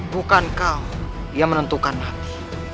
bukan kau yang menentukan hati